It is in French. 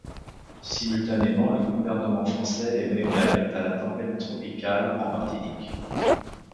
Simultanément, le gouvernement français émet une alerte à la tempête tropicale en Martinique.